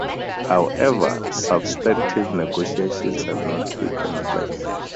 However, substantive negotiations have not taken place.